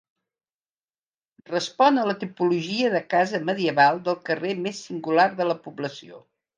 Respon a la tipologia de casa medieval del carrer més singular de la població.